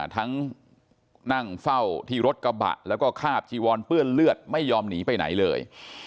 นั่งเฝ้าที่รถกระบะแล้วก็คาบจีวอนเปื้อนเลือดไม่ยอมหนีไปไหนเลย